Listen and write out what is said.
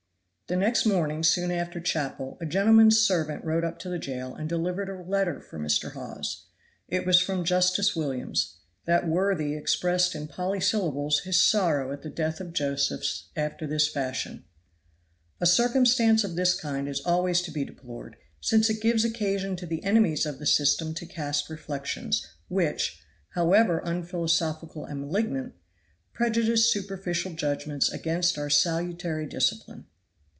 The next morning soon after chapel a gentleman's servant rode up to the jail and delivered a letter for Mr. Hawes. It was from Justice Williams. That worthy expressed in polysyllables his sorrow at the death of Josephs after this fashion: "A circumstance of this kind is always to be deplored, since it gives occasion to the enemies of the system to cast reflections, which, however unphilosophical and malignant, prejudice superficial judgments against our salutary discipline."